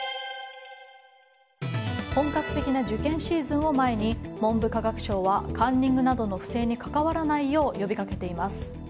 本格的な受験シーズンを前に文部科学省はカンニングなどの不正に関わらないよう呼びかけています。